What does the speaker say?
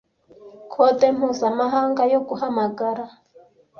Kode mpuzamahanga yo guhamagara